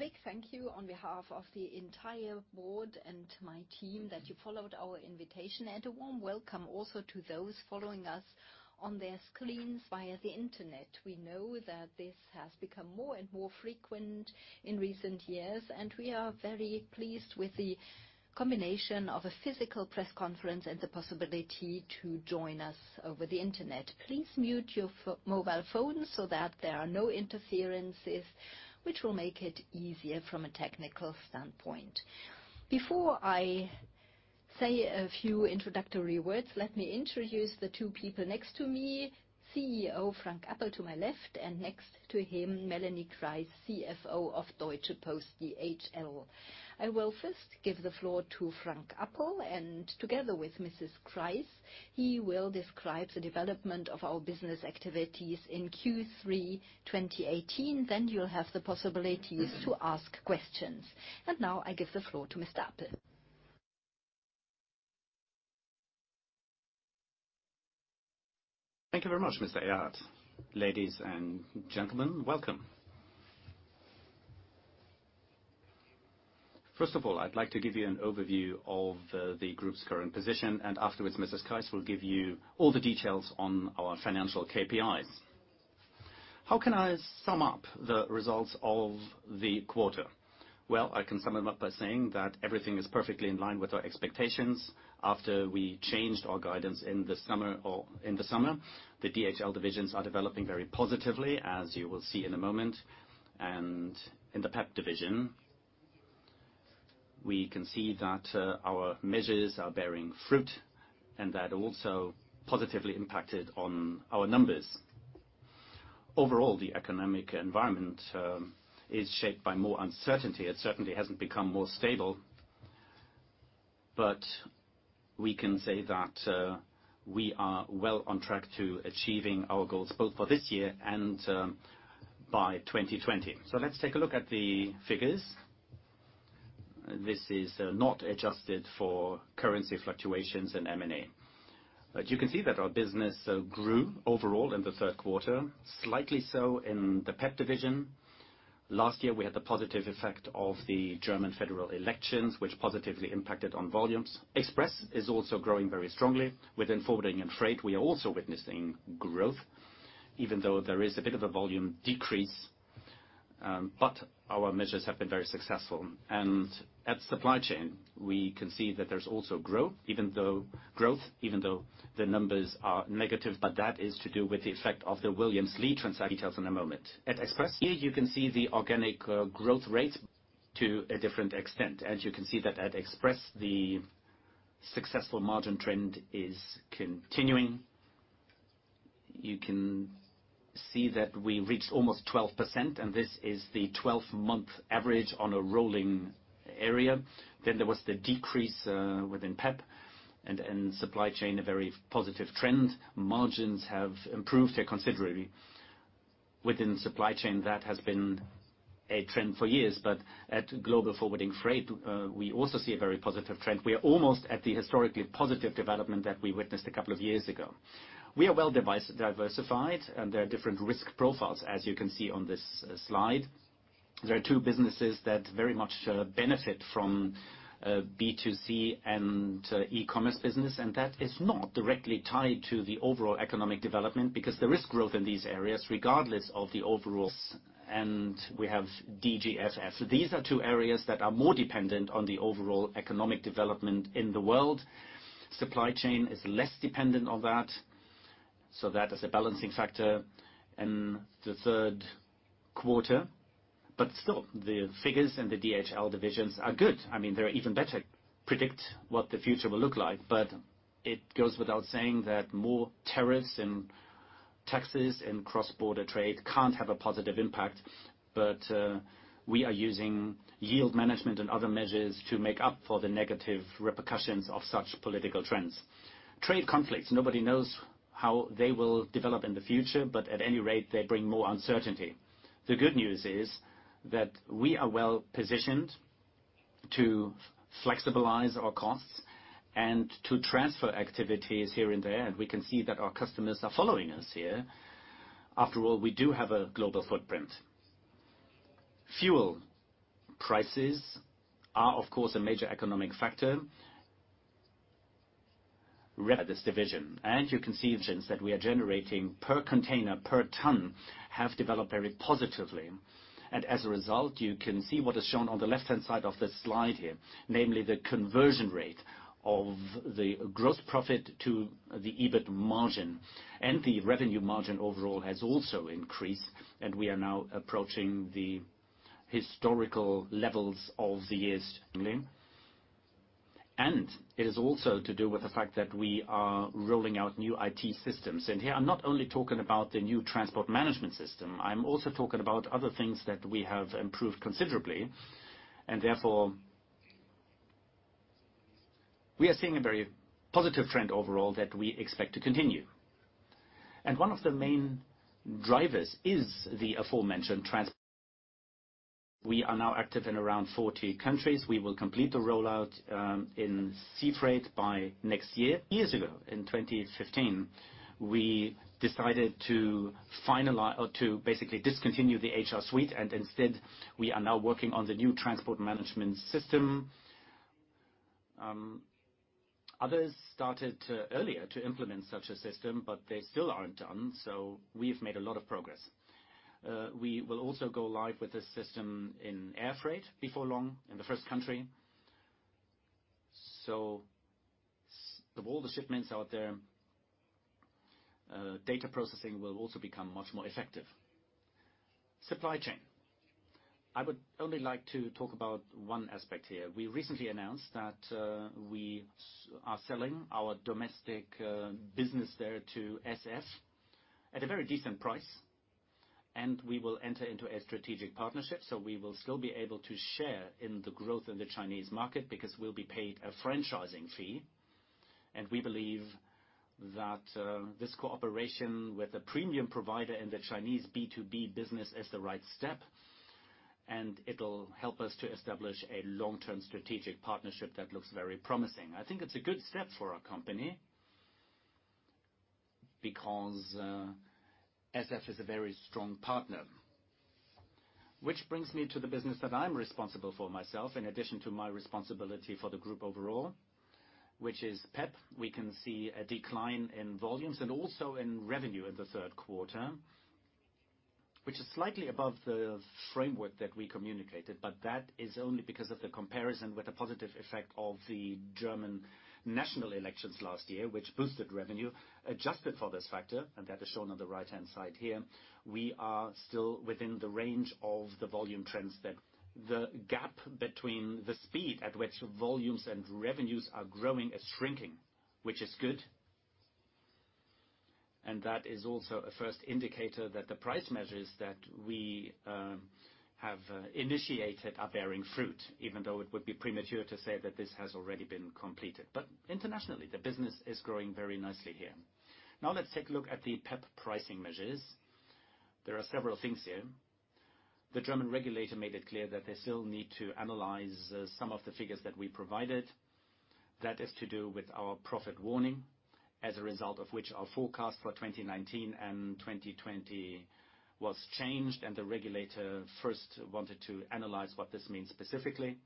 A big thank you on behalf of the entire board and my team that you followed our invitation, and a warm welcome also to those following us on their screens via the Internet. We know that this has become more and more frequent in recent years, and we are very pleased with the combination of a physical press conference and the possibility to join us over the Internet. Please mute your mobile phones so that there are no interferences, which will make it easier from a technical standpoint. Before I say a few introductory words, let me introduce the two people next to me, CEO Frank Appel to my left, and next to him, Melanie Kreis, CFO of Deutsche Post DHL. I will first give the floor to Frank Appel, and together with Mrs. Kreis, he will describe the development of our business activities in Q3 2018. You'll have the possibilities to ask questions. Now I give the floor to Mr. Appel. Thank you very much, Ms. Ehrhardt. Ladies and gentlemen, welcome. First of all, I'd like to give you an overview of the group's current position, and afterwards, Mrs. Kreis will give you all the details on our financial KPIs. How can I sum up the results of the quarter? Well, I can sum them up by saying that everything is perfectly in line with our expectations after we changed our guidance in the summer. The DHL divisions are developing very positively, as you will see in a moment. In the PeP division, we can see that our measures are bearing fruit and that also positively impacted on our numbers. Overall, the economic environment is shaped by more uncertainty. It certainly hasn't become more stable, but we can say that we are well on track to achieving our goals both for this year and by 2020. Let's take a look at the figures. This is not adjusted for currency fluctuations and M&A. You can see that our business grew overall in the third quarter, slightly so in the PeP division. Last year, we had the positive effect of the German federal elections, which positively impacted on volumes. Express is also growing very strongly. Within Forwarding and Freight, we are also witnessing growth, even though there is a bit of a volume decrease. Our measures have been very successful. At Supply Chain, we can see that there's also growth, even though the numbers are negative, but that is to do with the effect of the Williams Lea transaction. Details in a moment. At Express, here you can see the organic growth rate to a different extent. As you can see that at Express, the successful margin trend is continuing. You can see that we reached almost 12%, this is the 12-month average on a rolling average. There was the decrease within PeP and Supply Chain, a very positive trend. Margins have improved here considerably. Within Supply Chain, that has been a trend for years, but at Global Forwarding, Freight, we also see a very positive trend. We are almost at the historically positive development that we witnessed a couple of years ago. We are well-diversified, and there are different risk profiles, as you can see on this slide. There are two businesses that very much benefit from B2C and e-commerce business, and that is not directly tied to the overall economic development because there is growth in these areas regardless of the overall. We have DGFF. These are two areas that are more dependent on the overall economic development in the world. Supply Chain is less dependent on that is a balancing factor in the third quarter. Still, the figures in the DHL divisions are good. There are even better. Predict what the future will look like, but it goes without saying that more tariffs and taxes and cross-border trade can't have a positive impact. We are using yield management and other measures to make up for the negative repercussions of such political trends. Trade conflicts, nobody knows how they will develop in the future, but at any rate, they bring more uncertainty. The good news is that we are well-positioned to flexibilize our costs and to transfer activities here and there. We can see that our customers are following us here. After all, we do have a global footprint. Fuel prices are, of course, a major economic factor. At this division. You can see that we are generating per container, per ton, have developed very positively. As a result, you can see what is shown on the left-hand side of this slide here, namely the conversion rate of the gross profit to the EBIT margin. The revenue margin overall has also increased. We are now approaching the historical levels of the years. It is also to do with the fact that we are rolling out new IT systems. Here, I'm not only talking about the new transport management system, I'm also talking about other things that we have improved considerably. Therefore, we are seeing a very positive trend overall that we expect to continue. One of the main drivers is the aforementioned transport. We are now active in around 40 countries. We will complete the rollout in sea freight by next year. Years ago, in 2015, we decided to basically discontinue the HR suite. Instead, we are now working on the new transport management system. Others started earlier to implement such a system, but they still aren't done. We've made a lot of progress. We will also go live with this system in air freight before long, in the first country. Of all the shipments out there, data processing will also become much more effective. Supply Chain. I would only like to talk about one aspect here. We recently announced that we are selling our domestic business there to SF at a very decent price. We will enter into a strategic partnership. We will still be able to share in the growth in the Chinese market because we'll be paid a franchising fee. We believe that this cooperation with a premium provider in the Chinese B2B business is the right step, and it'll help us to establish a long-term strategic partnership that looks very promising. I think it's a good step for our company because SF is a very strong partner. Which brings me to the business that I'm responsible for myself, in addition to my responsibility for the group overall, which is PeP. We can see a decline in volumes and also in revenue in the third quarter, which is slightly above the framework that we communicated, but that is only because of the comparison with the positive effect of the German national elections last year, which boosted revenue. Adjusted for this factor, that is shown on the right-hand side here, we are still within the range of the volume trends that the gap between the speed at which volumes and revenues are growing is shrinking, which is good. That is also a first indicator that the price measures that we have initiated are bearing fruit, even though it would be premature to say that this has already been completed. Internationally, the business is growing very nicely here. Now let's take a look at the PeP pricing measures. There are several things here. The German regulator made it clear that they still need to analyze some of the figures that we provided. That is to do with our profit warning. As a result of which, our forecast for 2019 and 2020 was changed, and the regulator first wanted to analyze what this means specifically.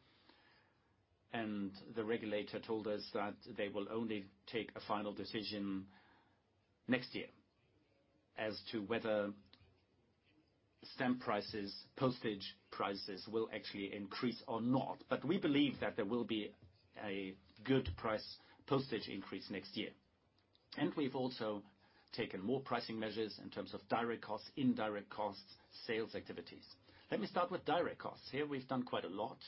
The regulator told us that they will only take a final decision next year as to whether stamp prices, postage prices will actually increase or not. We believe that there will be a good price postage increase next year. We've also taken more pricing measures in terms of direct costs, indirect costs, sales activities. Let me start with direct costs. Here we've done quite a lot.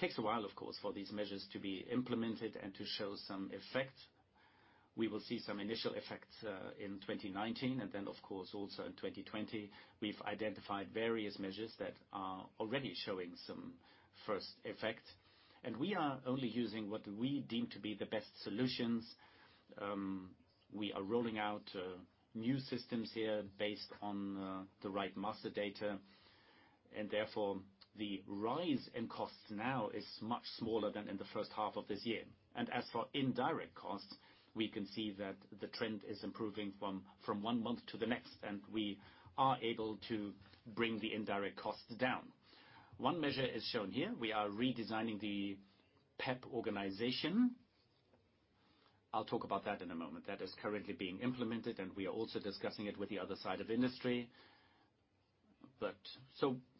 Takes a while, of course, for these measures to be implemented and to show some effect. We will see some initial effects in 2019 and then, of course, also in 2020. We've identified various measures that are already showing some first effect, and we are only using what we deem to be the best solutions. We are rolling out new systems here based on the right master data. Therefore, the rise in costs now is much smaller than in the first half of this year. As for indirect costs, we can see that the trend is improving from one month to the next, and we are able to bring the indirect costs down. One measure is shown here. We are redesigning the PeP organization. I'll talk about that in a moment. That is currently being implemented, and we are also discussing it with the other side of the industry.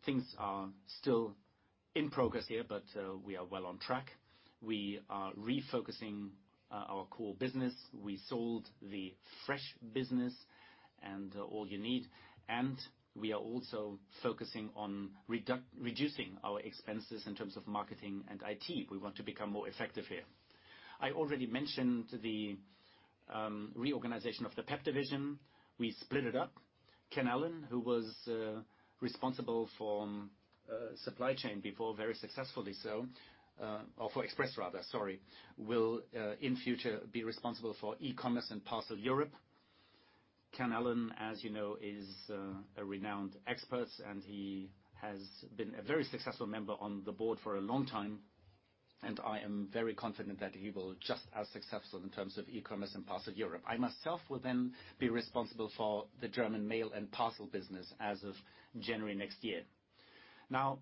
Things are still in progress here, but we are well on track. We are refocusing our core business. We sold the Allyouneed Fresh business and Allyouneed. We are also focusing on reducing our expenses in terms of marketing and IT. We want to become more effective here. I already mentioned the reorganization of the PeP division. We split it up. Ken Allen, who was responsible for Supply Chain before, very successfully so. Or for Express rather, sorry, will in future be responsible for e-commerce and parcel Europe. Ken Allen, as you know, is a renowned expert, and he has been a very successful member on the board for a long time, and I am very confident that he will be just as successful in terms of e-commerce and parcel Europe. I myself will then be responsible for the German mail and parcel business as of January next year.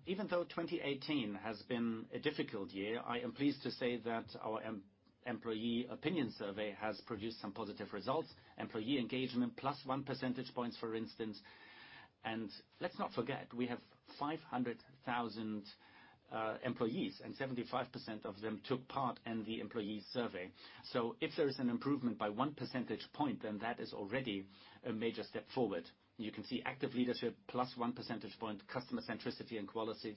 Even though 2018 has been a difficult year, I am pleased to say that our employee opinion survey has produced some positive results. Employee engagement, plus 1 percentage points, for instance. Let's not forget, we have 500,000 employees, and 75% of them took part in the employee survey. If there is an improvement by 1 percentage point, then that is already a major step forward. You can see active leadership, plus 1 percentage point, customer centricity and quality,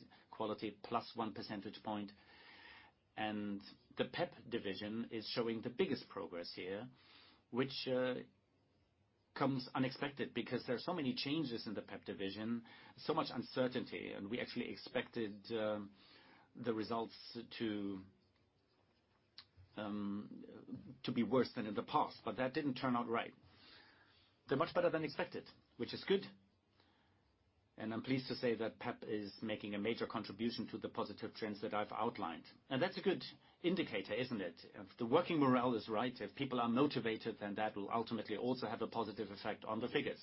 plus 1 percentage point. The PeP division is showing the biggest progress here, which comes unexpected because there are so many changes in the PeP division, so much uncertainty, and we actually expected the results to be worse than in the past, but that didn't turn out right. They are much better than expected, which is good. I am pleased to say that PeP is making a major contribution to the positive trends that I've outlined. That's a good indicator, isn't it? If the working morale is right, if people are motivated, then that will ultimately also have a positive effect on the figures.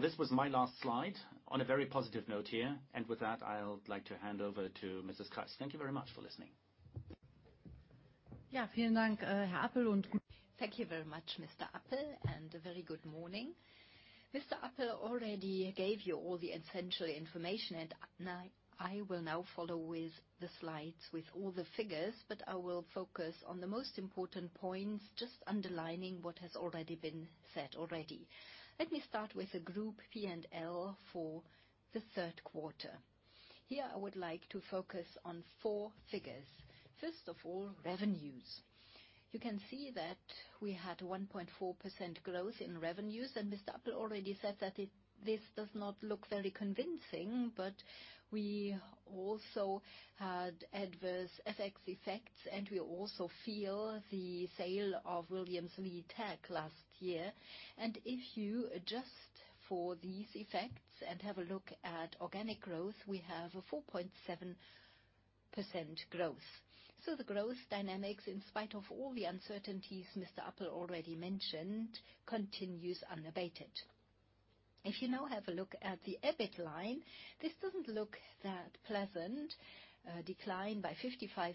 This was my last slide on a very positive note here. With that, I'll like to hand over to Mrs. Kreis. Thank you very much for listening. Thank you very much, Mr. Appel, a very good morning. Mr. Appel already gave you all the essential information, and I will now follow with the slides with all the figures, but I will focus on the most important points, just underlining what has already been said already. Let me start with the group P&L for the third quarter. Here, I would like to focus on four figures. First of all, revenues. You can see that we had 1.4% growth in revenues, and Mr. Appel already said that this does not look very convincing, but we also had adverse FX effects, and we also feel the sale of Williams Lea Tag last year. If you adjust for these effects and have a look at organic growth, we have a 4.7% growth. The growth dynamics, in spite of all the uncertainties Mr. Appel already mentioned, continues unabated. If you now have a look at the EBIT line, this doesn't look that pleasant, a decline by 55%.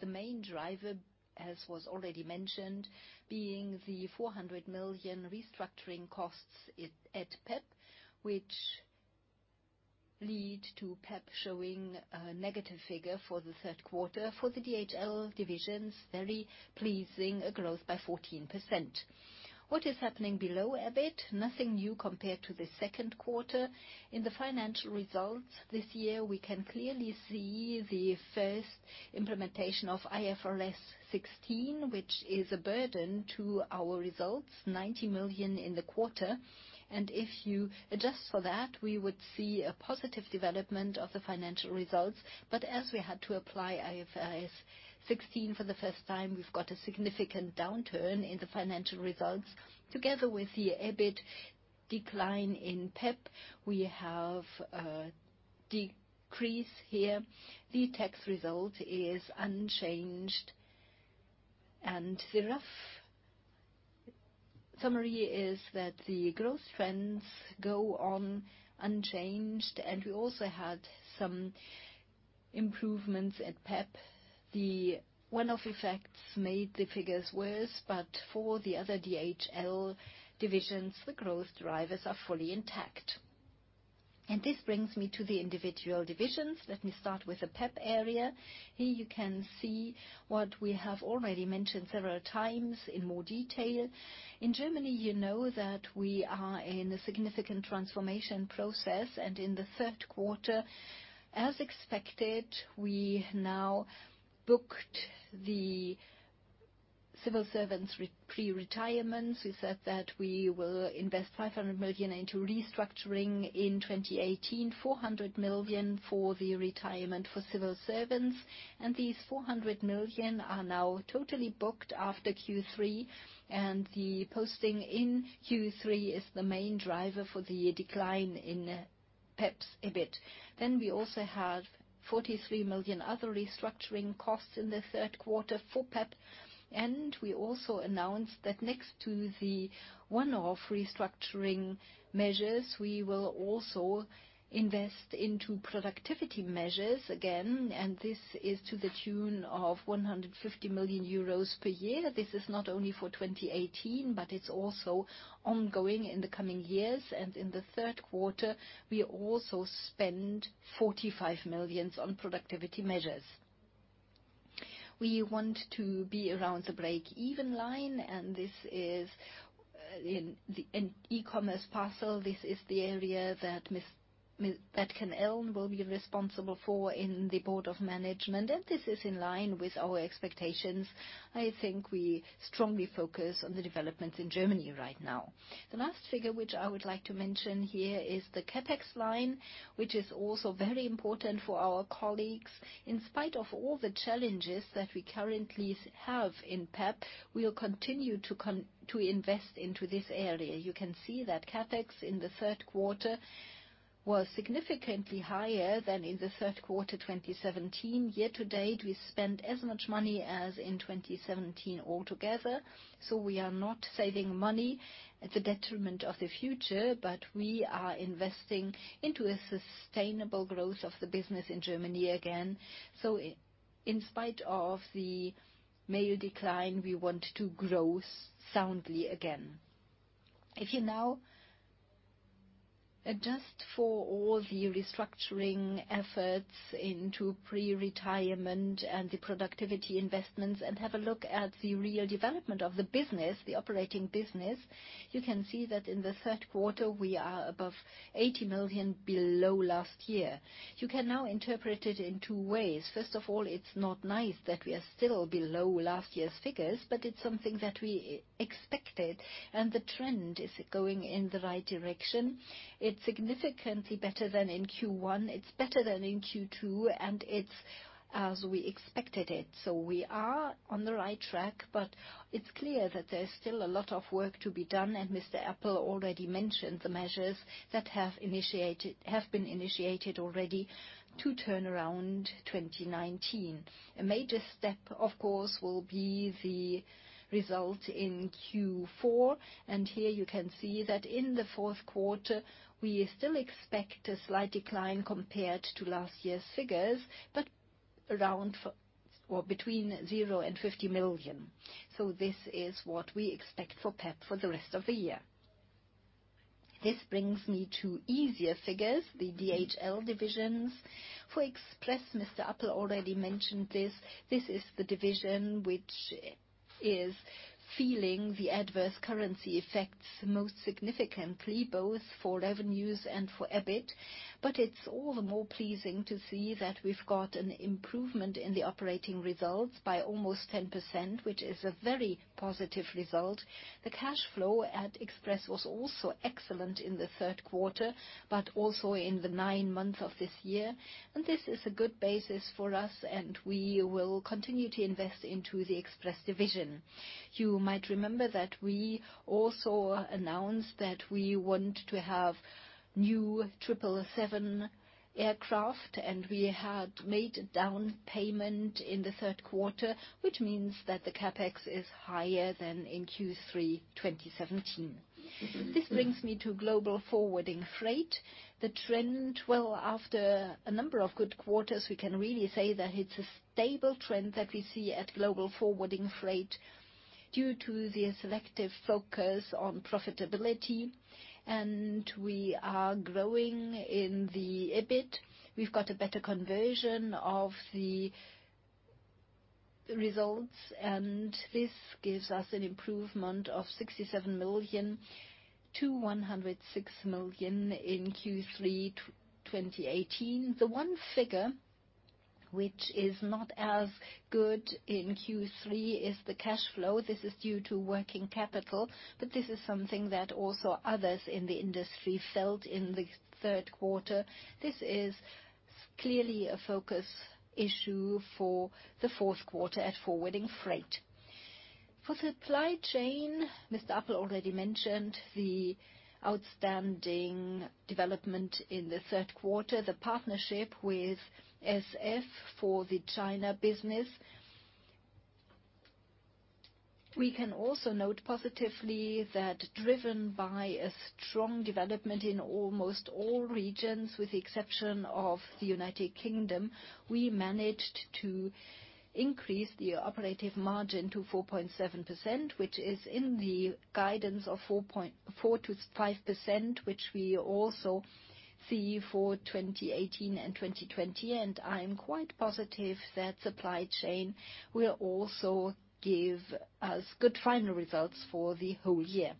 The main driver, as was already mentioned, being the 400 million restructuring costs at PeP, which lead to PeP showing a negative figure for the third quarter. For the DHL divisions, very pleasing, a growth by 14%. What is happening below EBIT? Nothing new compared to the second quarter. In the financial results this year, we can clearly see the first implementation of IFRS 16, which is a burden to our results, 90 million in the quarter. If you adjust for that, we would see a positive development of the financial results. As we had to apply IFRS 16 for the first time, we've got a significant downturn in the financial results. Together with the EBIT decline in PeP, we have a decrease here. The tax result is unchanged, the rough summary is that the growth trends go on unchanged, we also had some improvements at PeP. The one-off effects made the figures worse, for the other DHL divisions, the growth drivers are fully intact. This brings me to the individual divisions. Let me start with the PeP area. Here you can see what we have already mentioned several times in more detail. In Germany, you know that we are in a significant transformation process, in the third quarter, as expected, we now booked the civil servants pre-retirement. We said that we will invest 500 million into restructuring in 2018, 400 million for the retirement for civil servants, these 400 million are now totally booked after Q3, the posting in Q3 is the main driver for the decline in PeP's EBIT. We also have 43 million other restructuring costs in the third quarter for PeP, we also announced that next to the one-off restructuring measures, we will also invest into productivity measures again, this is to the tune of 150 million euros per year. This is not only for 2018, it's also ongoing in the coming years. In the third quarter, we also spend 45 million on productivity measures. We want to be around the break-even line, this is in the eCommerce Solutions. This is the area that Ken Allen will be responsible for in the board of management, this is in line with our expectations. I think we strongly focus on the developments in Germany right now. The last figure which I would like to mention here is the CapEx line, which is also very important for our colleagues. In spite of all the challenges that we currently have in PeP, we will continue to invest into this area. You can see that CapEx in the third quarter was significantly higher than in the third quarter 2017. Year-to-date, we spent as much money as in 2017 altogether. We are not saving money at the detriment of the future, we are investing into a sustainable growth of the business in Germany again. In spite of the mail decline, we want to grow soundly again. If you now adjust for all the restructuring efforts into pre-retirement, the productivity investments, have a look at the real development of the business, the operating business, you can see that in the third quarter, we are above 80 million below last year. You can now interpret it in two ways. First of all, it's not nice that we are still below last year's figures, but it's something that we expected, the trend is going in the right direction. It's significantly better than in Q1, it's better than in Q2, it's as we expected it. We are on the right track, but it's clear that there's still a lot of work to be done, Mr. Appel already mentioned the measures that have been initiated already to turn around 2019. A major step, of course, will be the result in Q4. Here you can see that in the fourth quarter, we still expect a slight decline compared to last year's figures, but around or between 0-50 million. This is what we expect for PeP for the rest of the year. This brings me to easier figures, the DHL divisions. For Express, Mr. Appel already mentioned this is the division which is feeling the adverse currency effects most significantly, both for revenues and for EBIT. It's all the more pleasing to see that we've got an improvement in the operating results by almost 10%, which is a very positive result. The cash flow at Express was also excellent in the third quarter, but also in the nine months of this year. This is a good basis for us, and we will continue to invest into the Express division. You might remember that we also announced that we want to have new 777 aircraft, and we had made a down payment in the third quarter, which means that the CapEx is higher than in Q3 2017. This brings me to Global Forwarding, Freight. The trend, well, after a number of good quarters, we can really say that it's a stable trend that we see at Global Forwarding, Freight due to the selective focus on profitability. We are growing in the EBIT. We've got a better conversion of the results, this gives us an improvement of 67 million-106 million in Q3 2018. The one figure which is not as good in Q3 is the cash flow. This is due to working capital, but this is something that also others in the industry felt in the third quarter. This is clearly a focus issue for the fourth quarter at Forwarding Freight. For Supply Chain, Mr. Appel already mentioned the outstanding development in the third quarter, the partnership with SF for the China business. We can also note positively that driven by a strong development in almost all regions, with the exception of the United Kingdom, we managed to increase the operative margin to 4.7%, which is in the guidance of 4%-5%, which we also see for 2018 and 2020. I'm quite positive that Supply Chain will also give us good final results for the whole year.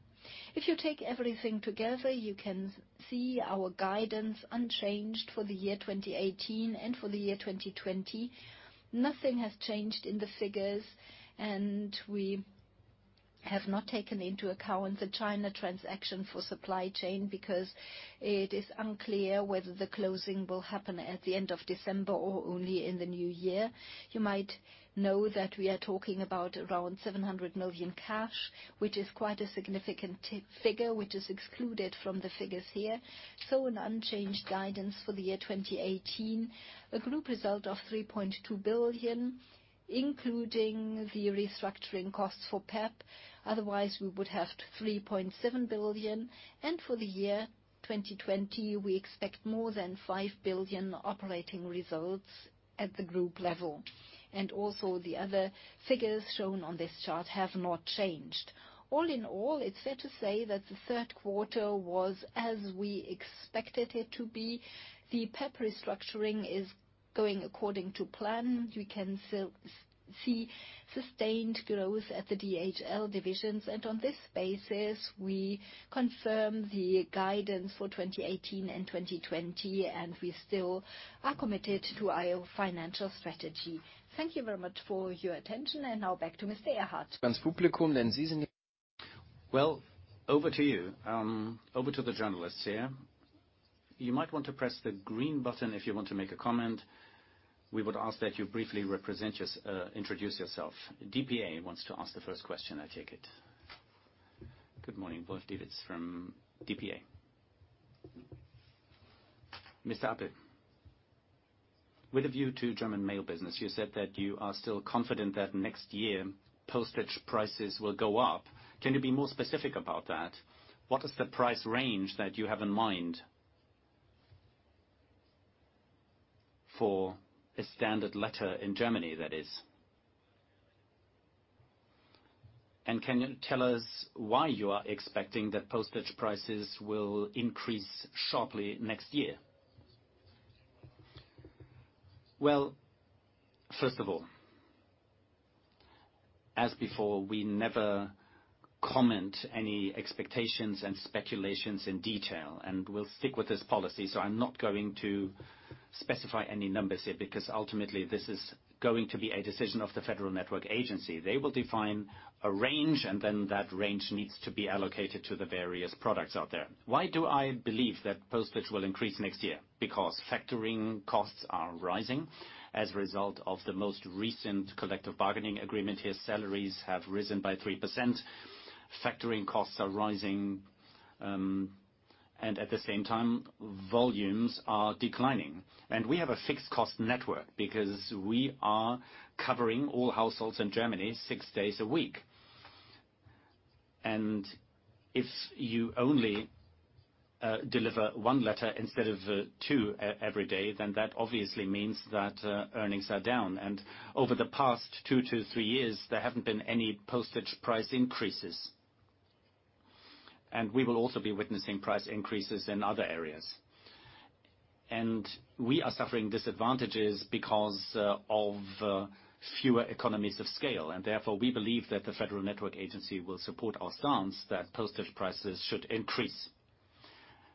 If you take everything together, you can see our guidance unchanged for the year 2018 and for the year 2020. Nothing has changed in the figures, we have not taken into account the China transaction for Supply Chain because it is unclear whether the closing will happen at the end of December or only in the new year. You might know that we are talking about around 700 million cash, which is quite a significant figure, which is excluded from the figures here. An unchanged guidance for the year 2018, a group result of 3.2 billion, including the restructuring costs for PeP. Otherwise, we would have 3.7 billion. For the year 2020, we expect more than 5 billion operating results at the group level. Also the other figures shown on this chart have not changed. All in all, it's fair to say that the third quarter was as we expected it to be. The PeP restructuring is going according to plan. We can see sustained growth at the DHL divisions. On this basis, we confirm the guidance for 2018 and 2020, and we still are committed to our financial strategy. Thank you very much for your attention. Now back to Mr. Ehrhardt. Well, over to you. Over to the journalists here. You might want to press the green button if you want to make a comment. We would ask that you briefly introduce yourself. DPA wants to ask the first question, I take it. Good morning. Wolf Dewitz from DPA. Mr. Appel, with a view to German mail business, you said that you are still confident that next year, postage prices will go up. Can you be more specific about that? What is the price range that you have in mind for a standard letter in Germany, that is? Can you tell us why you are expecting that postage prices will increase sharply next year? Well, first of all, as before, we never comment any expectations and speculations in detail, and we'll stick with this policy. I'm not going to specify any numbers here, because ultimately this is going to be a decision of the Federal Network Agency. They will define a range, then that range needs to be allocated to the various products out there. Why do I believe that postage will increase next year? Because factoring costs are rising as a result of the most recent collective bargaining agreement here. Salaries have risen by 3%. Factoring costs are rising. At the same time, volumes are declining. We have a fixed cost network because we are covering all households in Germany six days a week. If you only deliver one letter instead of two every day, then that obviously means that earnings are down. Over the past 2-3 years, there haven't been any postage price increases. We will also be witnessing price increases in other areas. We are suffering disadvantages because of fewer economies of scale. Therefore, we believe that the Federal Network Agency will support our stance that postage prices should increase.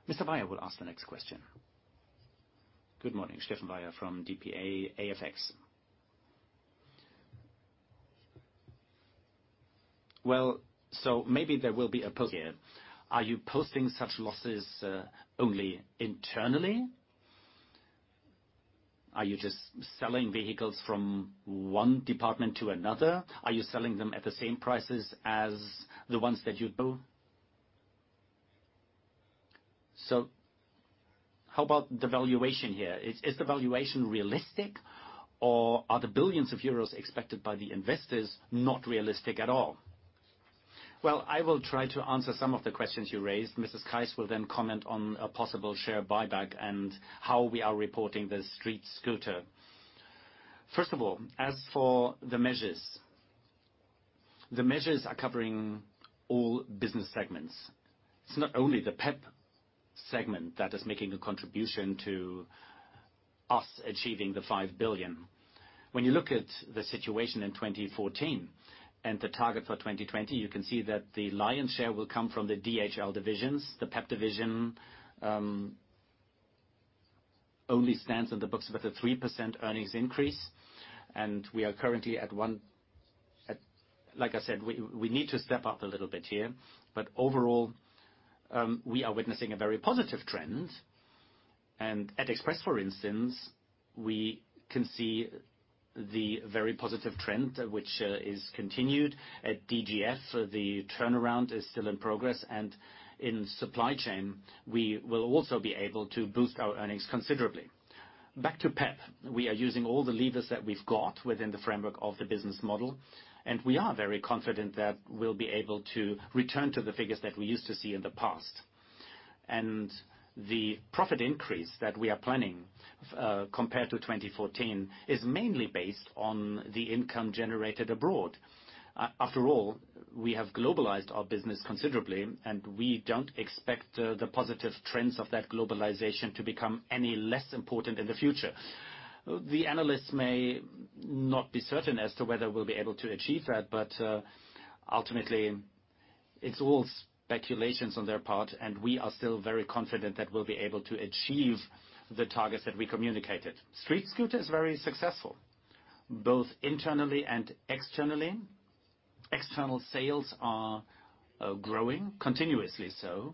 Mr. Beyer will ask the next question. Good morning. Steffen Beyer from dpa-AFX. Are you posting such losses only internally? Are you just selling vehicles from one department to another? How about the valuation here? Is the valuation realistic, or are the billions euros expected by the investors not realistic at all? Well, I will try to answer some of the questions you raised. Mrs. Kreis will then comment on a possible share buyback and how we are reporting the StreetScooter. First of all, as for the measures. The measures are covering all business segments. It's not only the PeP segment that is making a contribution to us achieving the 5 billion. When you look at the situation in 2014 and the target for 2020, you can see that the lion's share will come from the DHL divisions. The PeP division only stands in the books with a 3% earnings increase. We are currently at, like I said, we need to step up a little bit here. Overall, we are witnessing a very positive trend. At Express, for instance, we can see the very positive trend which is continued. At DGFF, the turnaround is still in progress, and in Supply Chain, we will also be able to boost our earnings considerably. Back to PeP. We are using all the levers that we've got within the framework of the business model, and we are very confident that we'll be able to return to the figures that we used to see in the past. The profit increase that we are planning, compared to 2014, is mainly based on the income generated abroad. After all, we have globalized our business considerably, and we don't expect the positive trends of that globalization to become any less important in the future. The analysts may not be certain as to whether we'll be able to achieve that, but ultimately, it's all speculations on their part, and we are still very confident that we'll be able to achieve the targets that we communicated. StreetScooter is very successful, both internally and externally. External sales are growing, continuously so.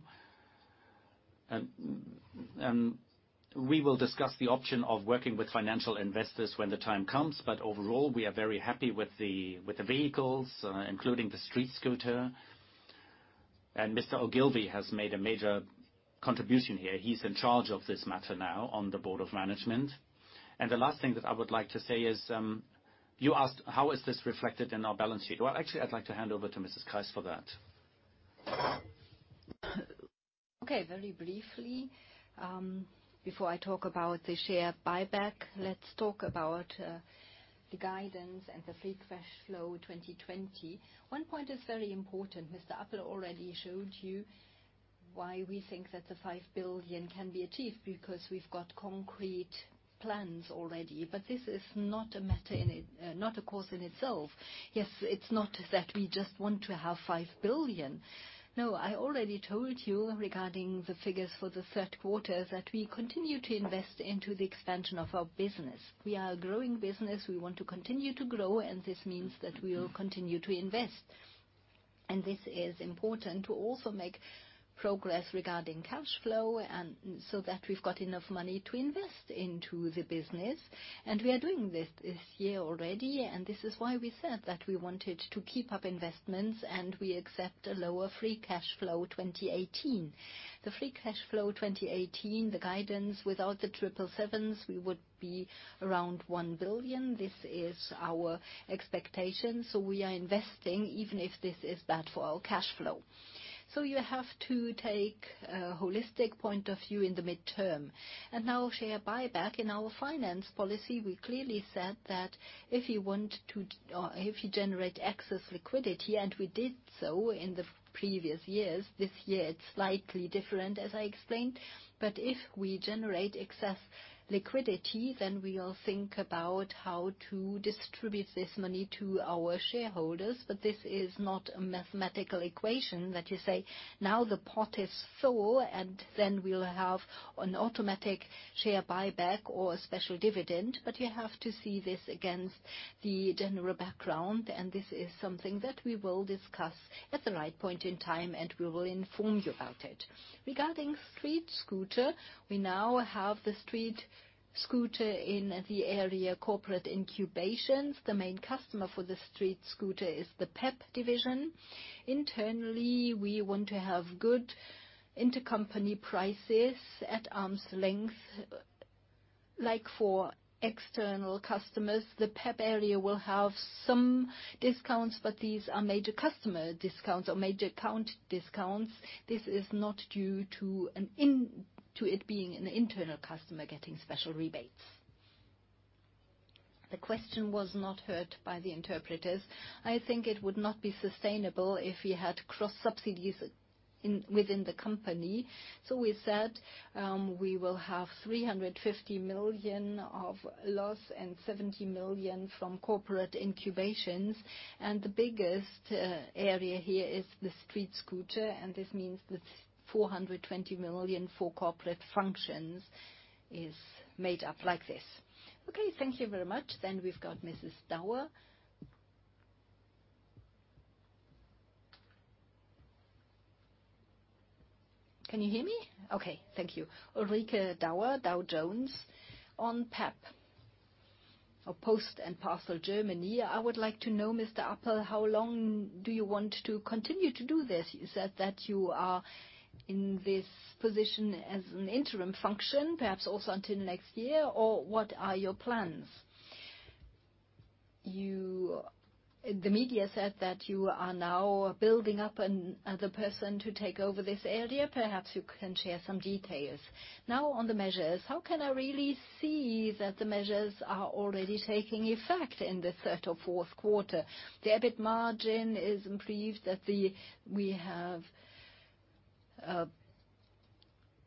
We will discuss the option of working with financial investors when the time comes, but overall, we are very happy with the vehicles, including the StreetScooter. Mr. Ogilvie has made a major contribution here. He's in charge of this matter now on the board of management. The last thing that I would like to say is, you asked, how is this reflected in our balance sheet? Well, actually, I'd like to hand over to Mrs. Kreis for that. Very briefly, before I talk about the share buyback, let us talk about the guidance and the free cash flow 2020. One point is very important. Mr. Appel already showed you why we think that the 5 billion can be achieved, because we have got concrete plans already. This is not a cause in itself. Yes, it is not that we just want to have 5 billion. No, I already told you regarding the figures for the third quarter, that we continue to invest into the expansion of our business. We are a growing business. We want to continue to grow, and this means that we will continue to invest. This is important to also make progress regarding cash flow, so that we have got enough money to invest into the business. We are doing this this year already, and this is why we said that we wanted to keep up investments, and we accept a lower free cash flow 2018. The free cash flow 2018, the guidance without the 777s, we would be around 1 billion. This is our expectation. We are investing, even if this is bad for our cash flow. You have to take a holistic point of view in the mid-term. Now share buyback. In our finance policy, we clearly said that if you generate excess liquidity, and we did so in the previous years, this year it is slightly different, as I explained. If we generate excess liquidity, then we will think about how to distribute this money to our shareholders. This is not a mathematical equation that you say, now the pot is full, and then we will have an automatic share buyback or a special dividend. You have to see this against the general background, and this is something that we will discuss at the right point in time, and we will inform you about it. Regarding StreetScooter, we now have the StreetScooter in the area Corporate Incubations. The main customer for the StreetScooter is the PeP division. Internally, we want to have good intercompany prices at arm's length, like for external customers. The PeP area will have some discounts, but these are major customer discounts or major account discounts. This is not due to it being an internal customer getting special rebates. The question was not heard by the interpreters. I think it would not be sustainable if we had cross-subsidies within the company. We said we will have 350 million of loss and 70 million from corporate incubations. The biggest area here is the StreetScooter, and this means the 420 million for Corporate Functions is made up like this. Thank you very much. We have got Mrs. Dauer. Can you hear me? Thank you. Ulrike Dauer, Dow Jones. On PeP, or Post and Parcel Germany, I would like to know, Mr. Appel, how long do you want to continue to do this? You said that you are in this position as an interim function, perhaps also until next year, or what are your plans? The media said that you are now building up another person to take over this area. Perhaps you can share some details. Now on the measures, how can I really see that the measures are already taking effect in the third or fourth quarter? The EBIT margin is improved, that we have a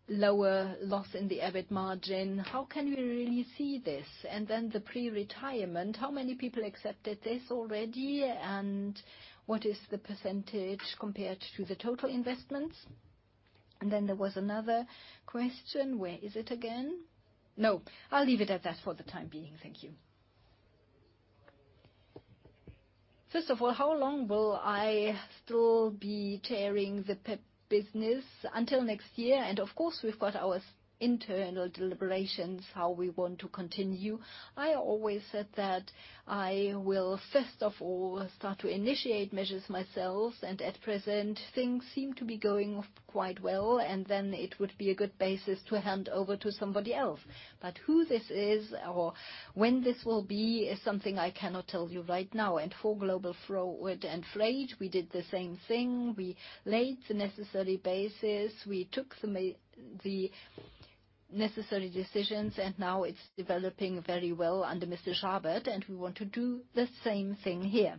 lower loss in the EBIT margin. How can we really see this? The pre-retirement, how many people accepted this already, and what is the percentage compared to the total investments? There was another question. Where is it again? No, I will leave it at that for the time being. Thank you. First of all, how long will I still be chairing the PeP business? Until next year, and of course, we have got our internal deliberations, how we want to continue. I always said that I will first of all start to initiate measures myself, and at present, things seem to be going off quite well, and then it would be a good basis to hand over to somebody else. Who this is or when this will be is something I cannot tell you right now. For Global Forwarding, Freight, we did the same thing. We laid the necessary bases, we took the necessary decisions, and now it is developing very well under Mr. Schabert, and we want to do the same thing here.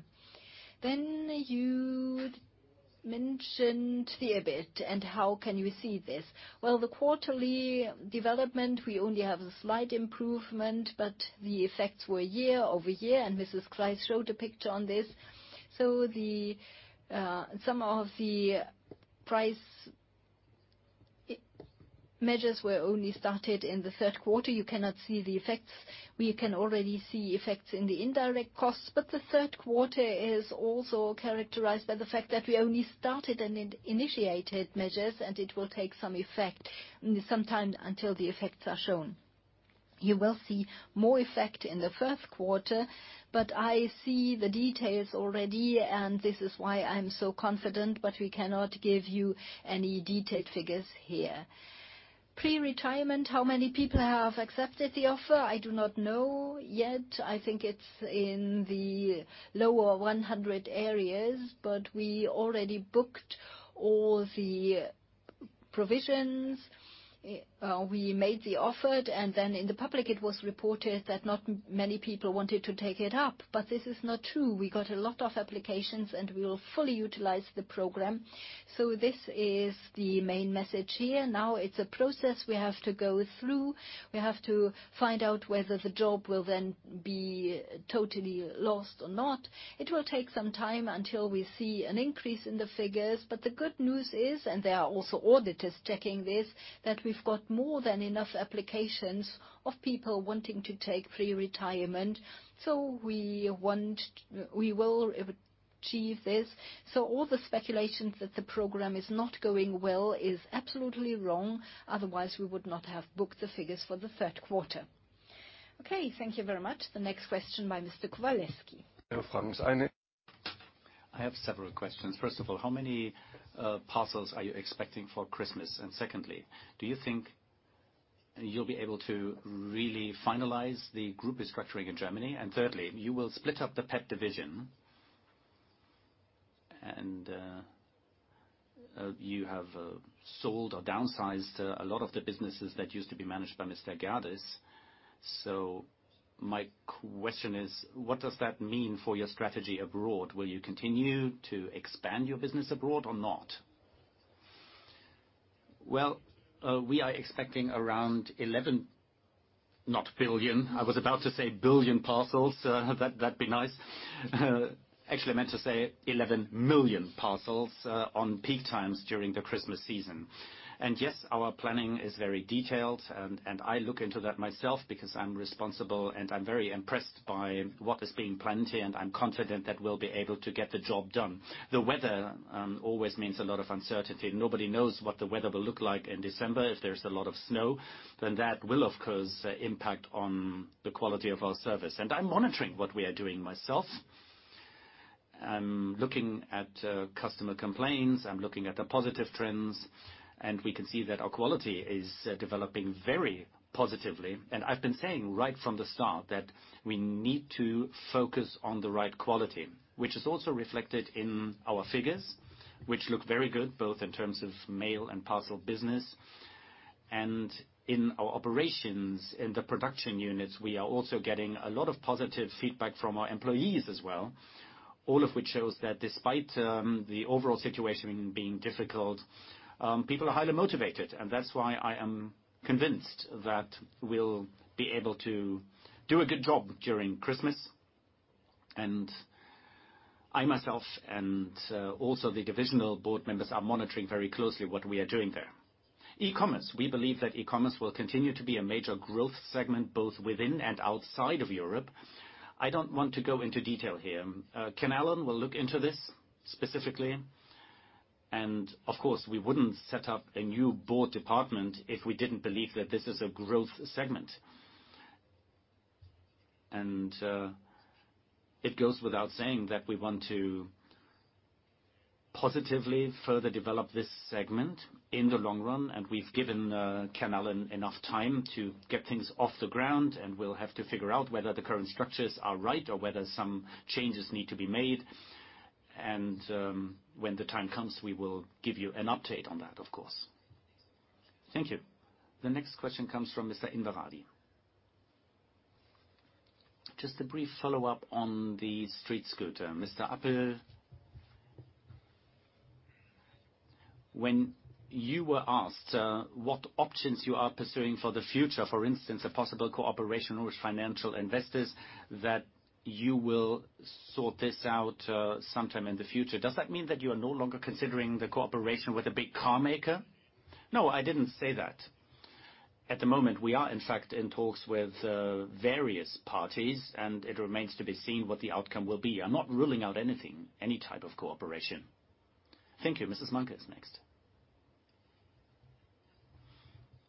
You mentioned the EBIT and how can you see this. The quarterly development, we only have a slight improvement, but the effects were year-over-year, and Mrs. Kreis showed a picture on this. Some of the price measures were only started in the third quarter. You cannot see the effects. We can already see effects in the indirect costs, but the third quarter is also characterized by the fact that we only started and initiated measures, and it will take some effect, some time until the effects are shown. You will see more effect in the first quarter, I see the details already, and this is why I am so confident, we cannot give you any detailed figures here. Pre-retirement, how many people have accepted the offer? I do not know yet. I think it's in the lower 100 areas, but we already booked all the provisions. We made the offer, and then in the public it was reported that not many people wanted to take it up. This is not true. We got a lot of applications, and we will fully utilize the program. This is the main message here. Now it's a process we have to go through. We have to find out whether the job will then be totally lost or not. It will take some time until we see an increase in the figures. The good news is, and there are also auditors checking this, that we've got more than enough applications of people wanting to take pre-retirement. We will achieve this. All the speculations that the program is not going well is absolutely wrong. Otherwise, we would not have booked the figures for the third quarter. Okay, thank you very much. The next question by Mr. Kowalewski. I have several questions. First of all, how many parcels are you expecting for Christmas? Secondly, do you think you'll be able to really finalize the group restructuring in Germany? Thirdly, you will split up the PeP division, and you have sold or downsized a lot of the businesses that used to be managed by Mr. Gerdes. My question is, what does that mean for your strategy abroad? Will you continue to expand your business abroad or not? Well, we are expecting around 11, not billion. I was about to say billion parcels. That'd be nice. Actually, I meant to say 11 million parcels on peak times during the Christmas season. Yes, our planning is very detailed, I look into that myself because I'm responsible, I'm very impressed by what is being planned here, I'm confident that we'll be able to get the job done. The weather always means a lot of uncertainty. Nobody knows what the weather will look like in December. If there's a lot of snow, that will, of course, impact on the quality of our service. I'm monitoring what we are doing myself. I'm looking at customer complaints, I'm looking at the positive trends, we can see that our quality is developing very positively. I've been saying right from the start that we need to focus on the right quality, which is also reflected in our figures, which look very good, both in terms of mail and parcel business. In our operations in the production units, we are also getting a lot of positive feedback from our employees as well, all of which shows that despite the overall situation being difficult, people are highly motivated. That's why I am convinced that we'll be able to do a good job during Christmas. I myself, and also the divisional board members, are monitoring very closely what we are doing there. E-commerce. We believe that e-commerce will continue to be a major growth segment both within and outside of Europe. I don't want to go into detail here. Ken Allen will look into this specifically. Of course, we wouldn't set up a new board department if we didn't believe that this is a growth segment. It goes without saying that we want to positively further develop this segment in the long run, we've given Ken Allen enough time to get things off the ground, we'll have to figure out whether the current structures are right or whether some changes need to be made. When the time comes, we will give you an update on that, of course. Thank you. The next question comes from Mr. Inverardi. Just a brief follow-up on the StreetScooter, Mr. Appel. When you were asked what options you are pursuing for the future, for instance, a possible cooperation with financial investors, that you will sort this out sometime in the future. Does that mean that you are no longer considering the cooperation with a big car maker? No, I didn't say that. At the moment, we are, in fact, in talks with various parties, and it remains to be seen what the outcome will be. I'm not ruling out anything, any type of cooperation. Thank you. Mrs. Mankus next.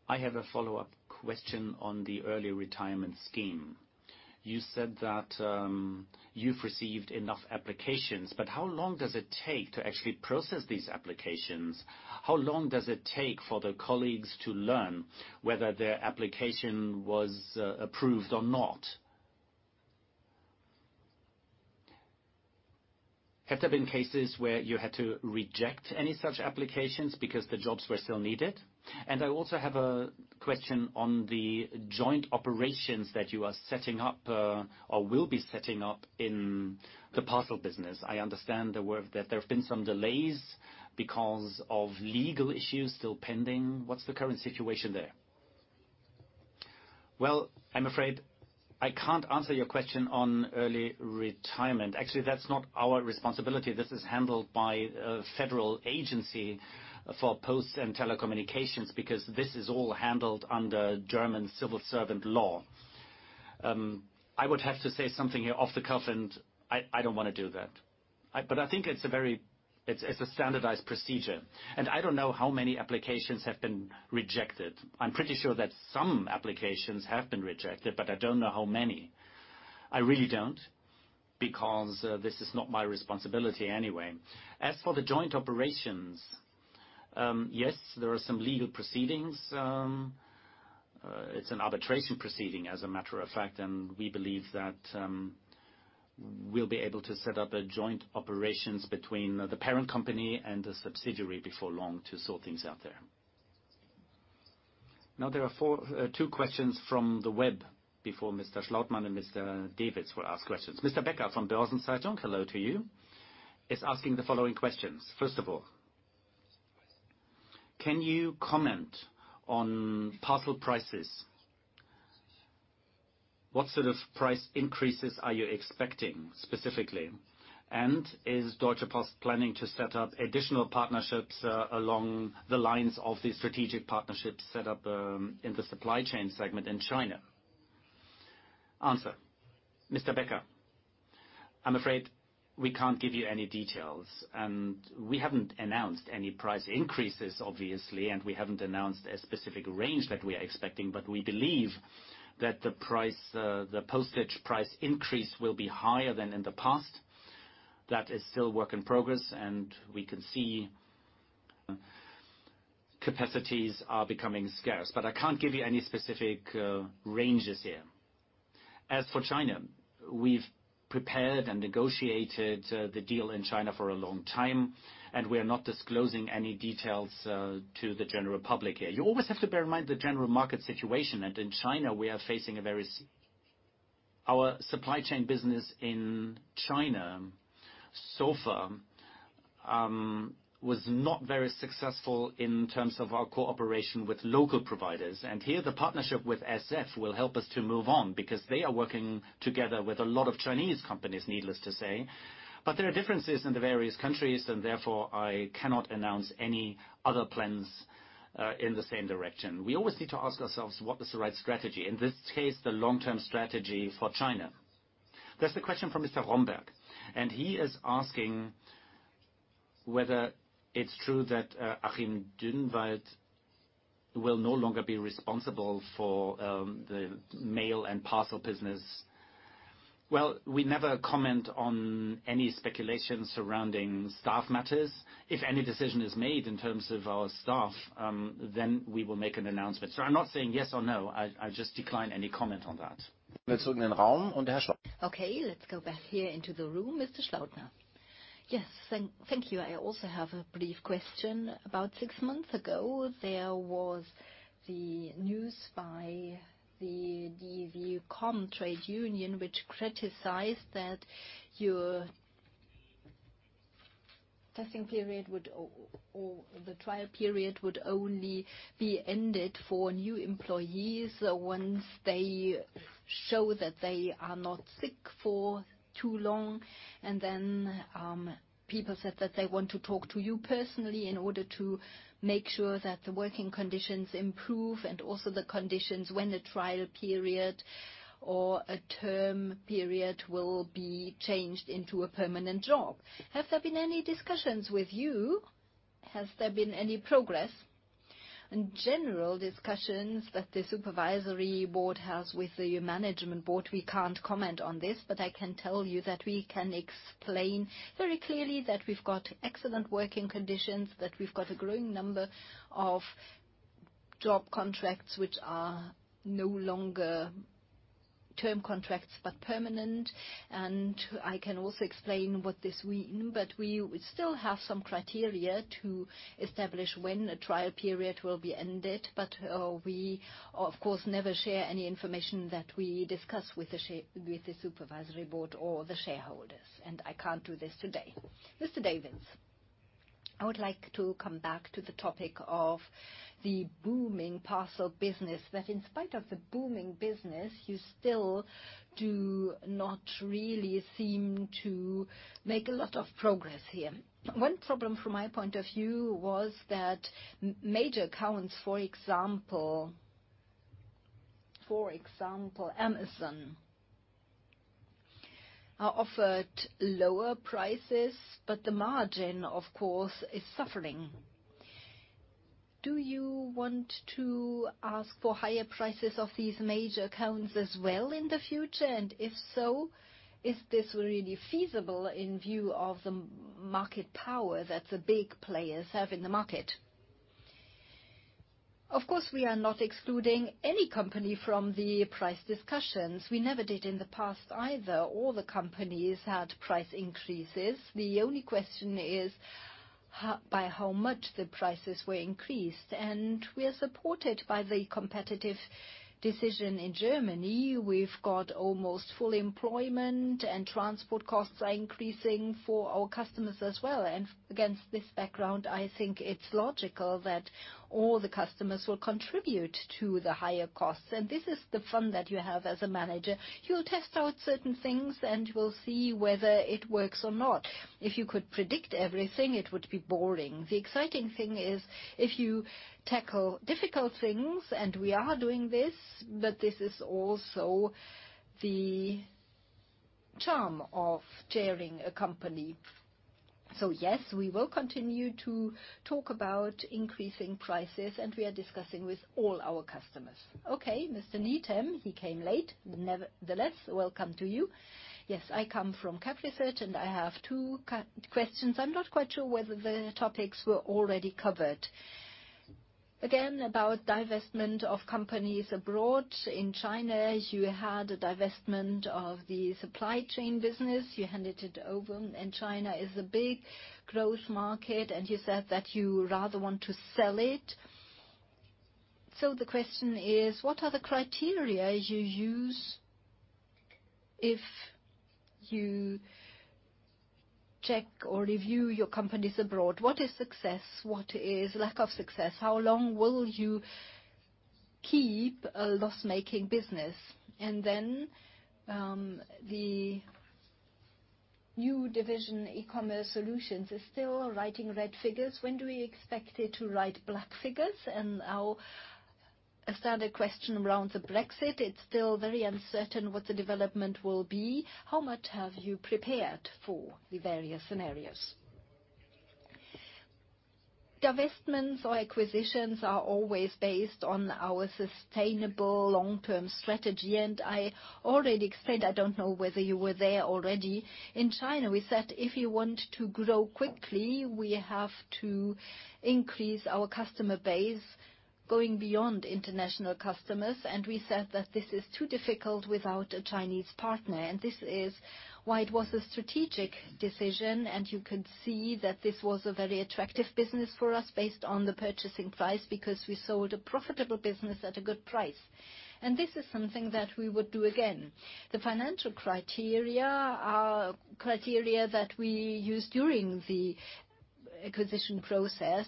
I have a follow-up question on the early retirement scheme. You said that you've received enough applications, but how long does it take to actually process these applications? How long does it take for the colleagues to learn whether their application was approved or not? Have there been cases where you had to reject any such applications because the jobs were still needed? I also have a question on the joint operations that you are setting up or will be setting up in the parcel business. I understand that there have been some delays because of legal issues still pending. What's the current situation there? Well, I'm afraid I can't answer your question on early retirement. Actually, that's not our responsibility. This is handled by a Federal Network Agency, because this is all handled under German civil servant law. I would have to say something here off the cuff, and I don't want to do that. I think it's a standardized procedure. I don't know how many applications have been rejected. I'm pretty sure that some applications have been rejected, but I don't know how many. I really don't, because this is not my responsibility anyway. As for the joint operations, yes, there are some legal proceedings. It's an arbitration proceeding, as a matter of fact, we believe that we'll be able to set up a joint operations between the parent company and the subsidiary before long to sort things out there. There are 2 questions from the web before Mr. Schlautmann and Mr. Davids will ask questions. Mr. Becker from Börsen-Zeitung, hello to you, is asking the following questions. Can you comment on parcel prices? What sort of price increases are you expecting specifically? Is Deutsche Post planning to set up additional partnerships along the lines of the strategic partnerships set up in the Supply Chain segment in China? Answer. Mr. Becker, I'm afraid we can't give you any details. We haven't announced any price increases, obviously, and we haven't announced a specific range that we are expecting. We believe that the postage price increase will be higher than in the past. That is still work in progress, we can see capacities are becoming scarce. I can't give you any specific ranges here. As for China, we've prepared and negotiated the deal in China for a long time, we are not disclosing any details to the general public here. You always have to bear in mind the general market situation. In China, our Supply Chain business in China so far was not very successful in terms of our cooperation with local providers. Here, the partnership with SF will help us to move on because they are working together with a lot of Chinese companies, needless to say. There are differences in the various countries, therefore, I cannot announce any other plans in the same direction. We always need to ask ourselves, what is the right strategy? In this case, the long-term strategy for China. There is a question from Mr. Romberg, he is asking whether it is true that Achim Dünnwald will no longer be responsible for the mail and parcel business. Well, we never comment on any speculation surrounding staff matters. If any decision is made in terms of our staff, we will make an announcement. I am not saying yes or no. I just decline any comment on that. Okay, let us go back here into the room, Mr. Schlautmann. Yes. Thank you. I also have a brief question. About six months ago, there was the news by the ver.di trade union, which criticized that your testing period or the trial period would only be ended for new employees once they show that they are not sick for too long. People said that they want to talk to you personally in order to make sure that the working conditions improve and also the conditions when the trial period or a term period will be changed into a permanent job. Have there been any discussions with you? Has there been any progress? General discussions that the supervisory board has with the management board, we can't comment on this. I can tell you that we've got excellent working conditions, that we've got a growing number of job contracts which are no longer term contracts, but permanent. I can also explain what this means, we still have some criteria to establish when a trial period will be ended. We, of course, never share any information that we discuss with the supervisory board or the shareholders, and I can't do this today. Mr. Davids, I would like to come back to the topic of the booming parcel business, that in spite of the booming business, you still do not really seem to make a lot of progress here. One problem from my point of view was that major accounts, for example, Amazon, are offered lower prices, but the margin, of course, is suffering. Do you want to ask for higher prices of these major accounts as well in the future? If so, is this really feasible in view of the market power that the big players have in the market? Of course, we are not excluding any company from the price discussions. We never did in the past either. All the companies had price increases. The only question is by how much the prices were increased, we are supported by the competitive decision in Germany. We've got almost full employment, transport costs are increasing for our customers as well. Against this background, I think it's logical that all the customers will contribute to the higher costs. This is the fun that you have as a manager. You'll test out certain things, and you will see whether it works or not. If you could predict everything, it would be boring. The exciting thing is if you tackle difficult things, and we are doing this, but this is also the charm of chairing a company. Yes, we will continue to talk about increasing prices, and we are discussing with all our customers. Okay, Mr. Needham. He came late. Nevertheless, welcome to you. I come from Capital Research, and I have two questions. I'm not quite sure whether the topics were already covered. Again, about divestment of companies abroad. In China, you had a divestment of the Supply Chain business. You handed it over, China is a big growth market, and you said that you rather want to sell it. The question is, what are the criteria you use if you check or review your companies abroad? What is success? What is lack of success? How long will you keep a loss-making business? Then, the new division, eCommerce Solutions, is still writing red figures. When do we expect it to write black figures? A standard question around the Brexit. It's still very uncertain what the development will be. How much have you prepared for the various scenarios? Divestments or acquisitions are always based on our sustainable long-term strategy, and I already explained, I don't know whether you were there already. In China, we said, if you want to grow quickly, we have to increase our customer base going beyond international customers. We said that this is too difficult without a Chinese partner, and this is why it was a strategic decision, and you could see that this was a very attractive business for us based on the purchasing price, because we sold a profitable business at a good price. This is something that we would do again. The financial criteria are criteria that we use during the acquisition process,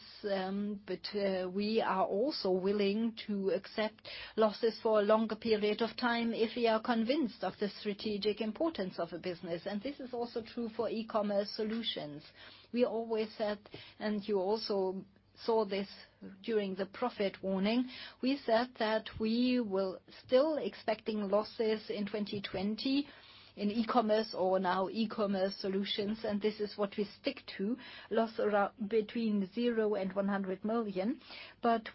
but we are also willing to accept losses for a longer period of time if we are convinced of the strategic importance of a business. This is also true for eCommerce Solutions. We always said. You also saw this during the profit warning. We said that we will still expecting losses in 2020 in e-commerce or now eCommerce Solutions, and this is what we stick to, loss between 0 and 100 million.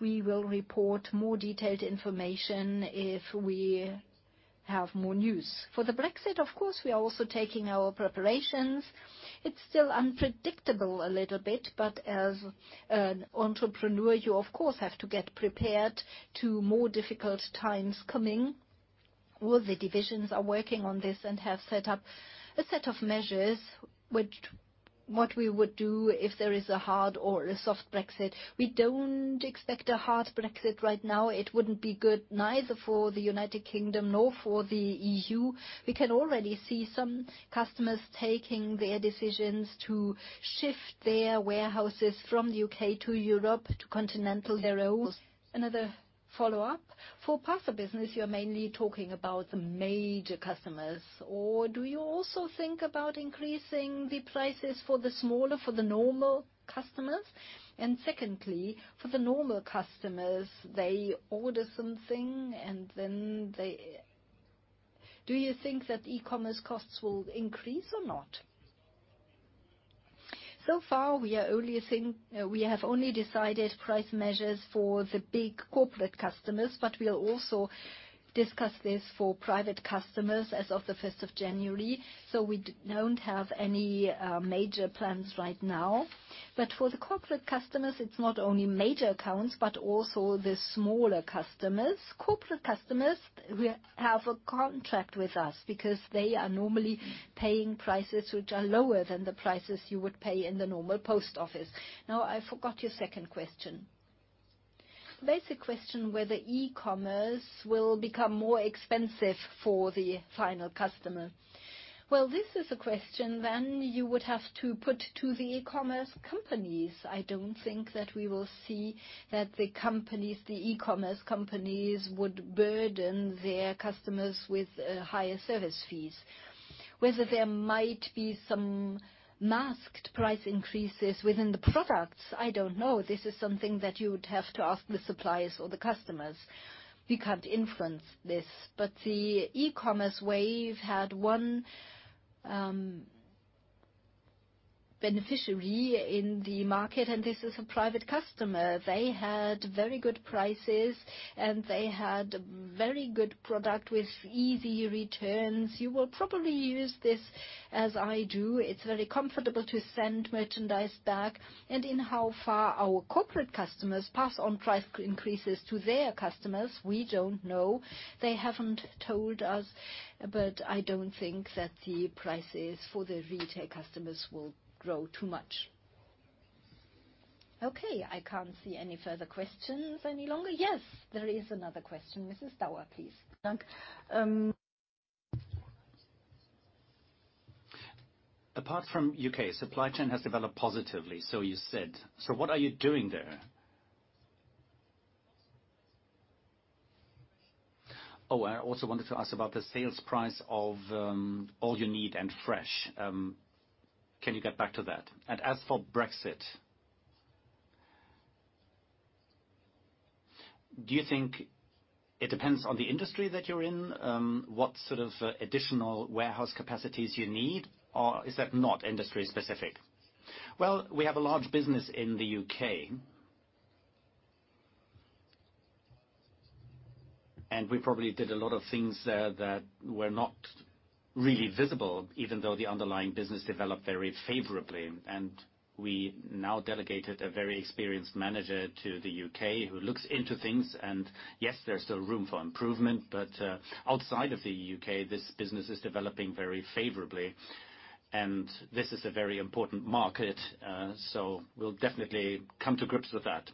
We will report more detailed information if we have more news. For the Brexit, of course, we are also taking our preparations. It's still unpredictable a little bit, but as an entrepreneur, you of course, have to get prepared to more difficult times coming. All the divisions are working on this and have set up a set of measures, what we would do if there is a hard or a soft Brexit. We don't expect a hard Brexit right now. It wouldn't be good, neither for the United Kingdom nor for the EU. We can already see some customers taking their decisions to shift their warehouses from the U.K. to Europe to continental. Another follow-up. For parcel business, you're mainly talking about the major customers. Do you also think about increasing the prices for the smaller, for the normal customers? Secondly, for the normal customers, they order something, and then Do you think that e-commerce costs will increase or not? So far, we have only decided price measures for the big corporate customers, but we'll also discuss this for private customers as of the 5th of January. We don't have any major plans right now. For the corporate customers, it's not only major accounts, but also the smaller customers. Corporate customers have a contract with us because they are normally paying prices which are lower than the prices you would pay in the normal post office. Now, I forgot your second question. Basic question, whether e-commerce will become more expensive for the final customer. Well, this is a question then you would have to put to the e-commerce companies. I don't think that we will see that the e-commerce companies would burden their customers with higher service fees. Whether there might be some masked price increases within the products, I don't know. This is something that you would have to ask the suppliers or the customers. We can't influence this. The e-commerce wave had one beneficiary in the market, and this is a private customer. They had very good prices, and they had very good product with easy returns. You will probably use this as I do. It's very comfortable to send merchandise back. In how far our corporate customers pass on price increases to their customers, we don't know. They haven't told us, but I don't think that the prices for the retail customers will grow too much. Okay, I can't see any further questions any longer. Yes, there is another question. Mrs. Stour, please. Apart from U.K., Supply Chain has developed positively, so you said. What are you doing there? Oh, I also wanted to ask about the sales price of Allyouneed and Fresh. Can you get back to that? As for Brexit, do you think it depends on the industry that you're in? What sort of additional warehouse capacities you need? Is that not industry-specific? We have a large business in the U.K., and we probably did a lot of things there that were not really visible, even though the underlying business developed very favorably. We now delegated a very experienced manager to the U.K. who looks into things. Yes, there's still room for improvement, but outside of the U.K., this business is developing very favorably. This is a very important market, so we'll definitely come to grips with that.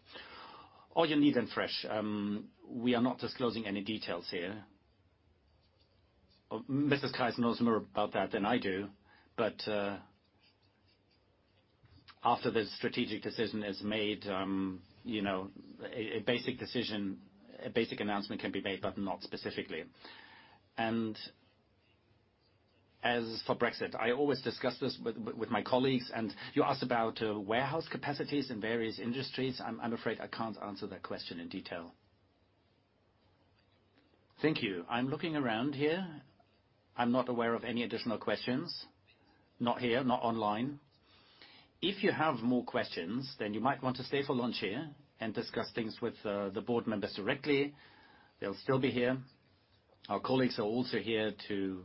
Allyouneed and Fresh, we are not disclosing any details here. Mrs. Kreis knows more about that than I do. After the strategic decision is made, a basic announcement can be made, but not specifically. As for Brexit, I always discuss this with my colleagues, and you asked about warehouse capacities in various industries. I'm afraid I can't answer that question in detail. Thank you. I'm looking around here. I'm not aware of any additional questions. Not here, not online. If you have more questions, you might want to stay for lunch here and discuss things with the board members directly. They'll still be here. Our colleagues are also here to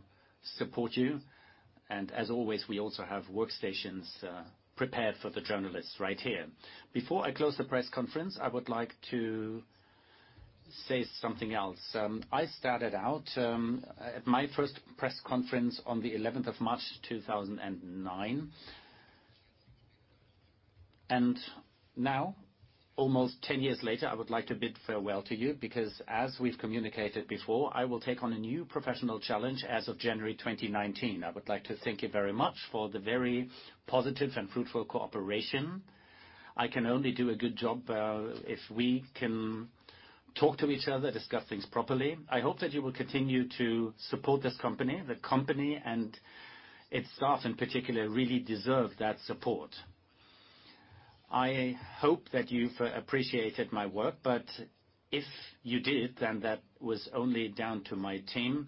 support you. As always, we also have workstations prepared for the journalists right here. Before I close the press conference, I would like to say something else. I started out at my first press conference on the 11th of March 2009. Now, almost 10 years later, I would like to bid farewell to you because, as we've communicated before, I will take on a new professional challenge as of January 2019. I would like to thank you very much for the very positive and fruitful cooperation. I can only do a good job if we can talk to each other, discuss things properly. I hope that you will continue to support this company. The company and its staff, in particular, really deserve that support. I hope that you've appreciated my work, if you did, that was only down to my team,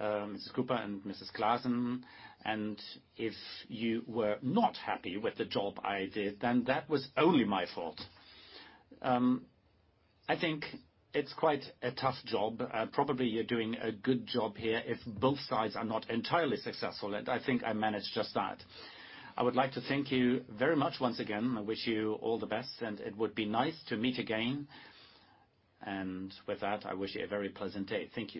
Mrs. Cooper and Mrs. Clasen. If you were not happy with the job I did, that was only my fault. I think it's quite a tough job. Probably you're doing a good job here if both sides are not entirely successful, and I think I managed just that. I would like to thank you very much once again. I wish you all the best, and it would be nice to meet again. With that, I wish you a very pleasant day. Thank you